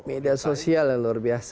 media sosial yang luar biasa